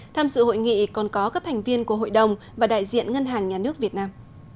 tham dự hội nghị còn có các thành viên của hội đồng và đại diện ngân hàng nhà nước việt nam